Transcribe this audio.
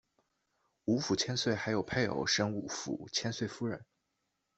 吴府千岁还有配偶神吴府千岁夫人。